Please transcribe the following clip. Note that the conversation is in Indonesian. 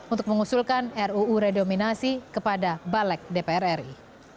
untuk mengusulkan ruu redenominasi kepada balik dpr ri